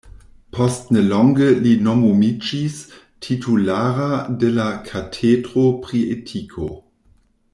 Post nelonge li nomumiĝis titulara de la katedro pri etiko.